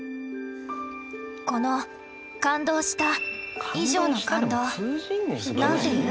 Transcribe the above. この「感動した」以上の感動なんて言う？